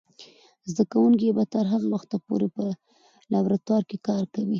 زده کوونکې به تر هغه وخته پورې په لابراتوار کې کار کوي.